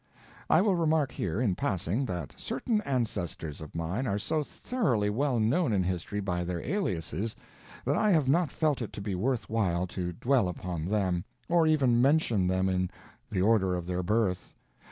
I will remark here, in passing, that certain ancestors of mine are so thoroughly well known in history by their aliases, that I have not felt it to be worth while to dwell upon them, or even mention them in the order of their birth.